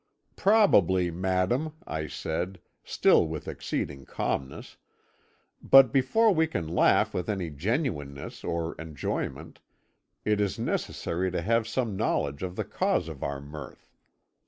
"'Probably, madam,' I said, still with exceeding calmness; 'but before we can laugh with any genuineness or enjoyment, it is necessary to have some knowledge of the cause of our mirth.